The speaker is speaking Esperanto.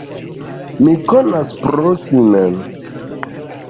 Mi konas pro si mem.